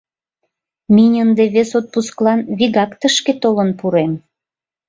Минь ынде вес отпусклан вигак тышке толын пурем.